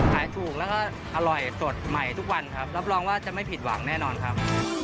ขายถูกแล้วก็อร่อยสดใหม่ทุกวันครับรับรองว่าจะไม่ผิดหวังแน่นอนครับ